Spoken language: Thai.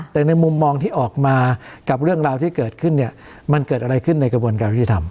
แต่ในมุมมองที่ออกมากับเรื่องราวที่เกิดขึ้นเนี่ยมันเกิดอะไรขึ้นในกระบวนการยุทธิธรรม